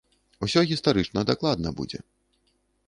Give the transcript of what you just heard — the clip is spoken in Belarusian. Усё гістарычна дакладна будзе.